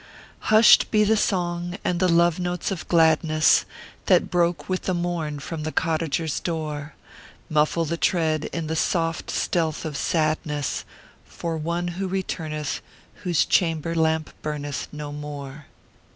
Hushed be the song and the love notes of gladness That broke with the morn from the cottager s door Muffle the tread in the soft stealth of sadness, For one who returneth, whose chamber lamp burneth No more.